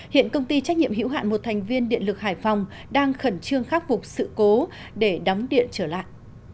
hiện công ty trách nhiệm hữu hạn một thành viên điện lực hải phòng đang khẩn trương khắc phục sự cố để đóng điện trở lại